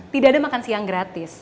tidak ada makan siang gratis